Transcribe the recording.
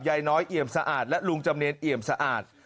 ยายน้อยเอี่ยมสะอาดและลุงจำเนียนเอี่ยมสะอาด